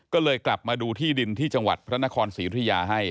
ก็เลยกลับมาดูที่ดินที่จังหวัดพระนครศรีอุทยาให้